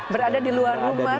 berada di luar rumah